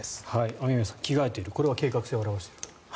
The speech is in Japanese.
雨宮さん、着替えているこれは計画性を表している？